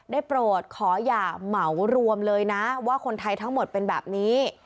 โปรดขออย่าเหมารวมเลยนะว่าคนไทยทั้งหมดเป็นแบบนี้